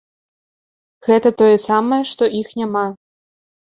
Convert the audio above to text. Гэта тое самае, што іх няма.